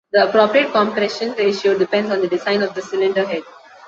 The appropriate compression ratio depends on the design of the cylinder head.